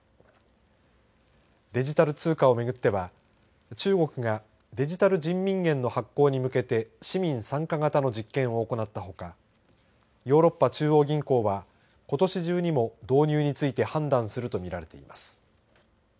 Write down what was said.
デジタル通貨は巡っては中国がデジタル人民元の発行に向けて市民参加型の実験を行ったほかヨーロッパ中央銀行はことし中にも導入について判断すると見られています。